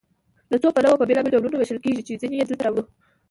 له څو پلوه په بېلابېلو ډولونو ویشل کیږي چې ځینې یې دلته راوړو.